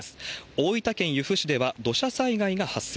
大分県由布市では土砂災害が発生。